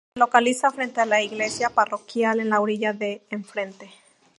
Se localiza frente a la iglesia parroquial, en la orilla de enfrente.